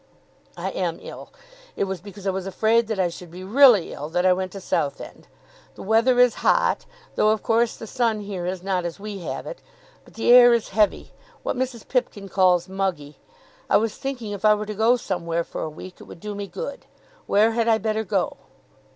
"I am ill. It was because I was afraid that I should be really ill that I went to Southend. The weather is hot, though of course the sun here is not as we have it. But the air is heavy, what Mrs. Pipkin calls muggy. I was thinking if I were to go somewhere for a week, it would do me good. Where had I better go?"